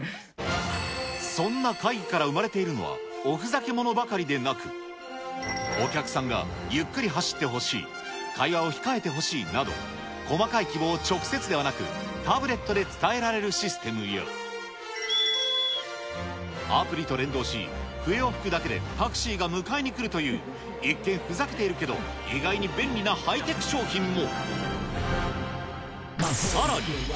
そんな会議から生まれているのは、おふざけものばかりでなく、お客さんがゆっくり走ってほしい、会話を控えてほしいなど、細かい希望を直接ではなく、タブレットで伝えられるシステムや、アプリと連動し、笛を吹くだけでタクシーが迎えに来るという、一見ふざけているけど意外に便利なハイテク商品も。